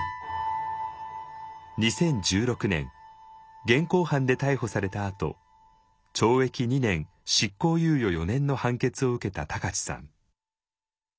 ２０１６年現行犯で逮捕されたあと懲役２年執行猶予４年の判決を受けた高知さん。